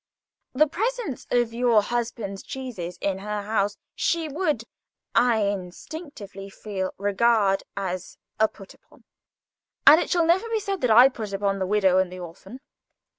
The presence of your husband's cheeses in her house she would, I instinctively feel, regard as a 'put upon'; and it shall never be said that I put upon the widow and the orphan."